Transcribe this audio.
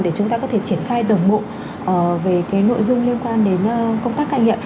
để chúng ta có thể triển khai đồng bộ về nội dung liên quan đến công tác cai nghiện